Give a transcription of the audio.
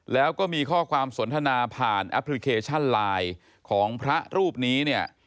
แล้วก็มีข้อความสนทนาผ่านแอปพลิเคชันไลน์ของพระรูปนี้เนี่ย